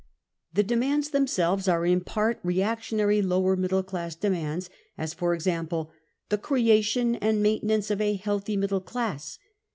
The demands themselves are in part reactionary, lower middle class demands, as for example " the creation and mainten ance of a healthy middle class.